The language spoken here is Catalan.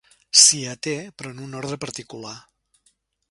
S'hi até, però en un ordre particular.